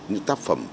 những tác phẩm